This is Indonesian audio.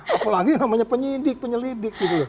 apalagi namanya penyidik penyelidik gitu loh